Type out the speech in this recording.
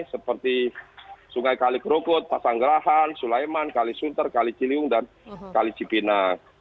seperti sungai kali kerukut pasanggerahan sulaiman kali sunter kali ciliung dan kali cipinang